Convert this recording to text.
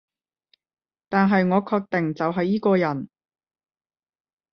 但係我確定就係依個人